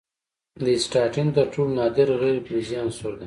د اسټاټین تر ټولو نادر غیر فلزي عنصر دی.